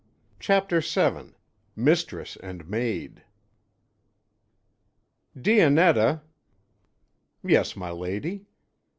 CHAPTER VII MISTRESS AND MAID "Dionetta?" "Yes, my lady."